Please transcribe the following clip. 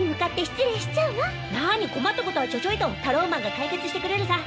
なに困ったことはちょちょいとタローマンが解決してくれるさ。